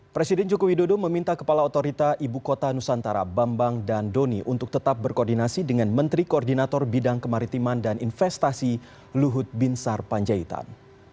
presiden joko widodo meminta kepala otorita ibu kota nusantara bambang dan doni untuk tetap berkoordinasi dengan menteri koordinator bidang kemaritiman dan investasi luhut binsar panjaitan